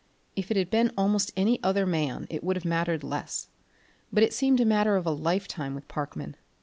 If it had been almost any other man, it would have mattered less, but it seemed a matter of a lifetime with Parkman.